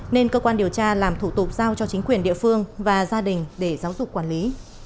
nên cơ quan điều tra làm thủ tục giao cho chính quyền địa phương và gia đình để giáo dục quản lý